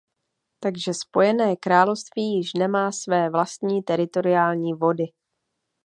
Takže Spojené království již nemá své vlastní teritoriální vody.